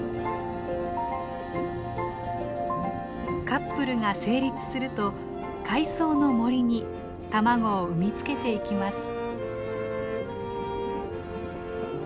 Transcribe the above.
カップルが成立すると海藻の森に卵を産み付けていきます。